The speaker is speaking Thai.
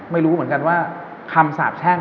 ไม่รู้เหมือนกันว่าคำสาบแช่ง